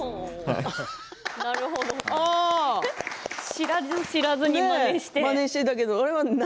知らず知らずにまねをしていた。